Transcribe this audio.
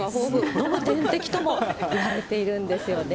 飲む点滴ともいわれているんですよね。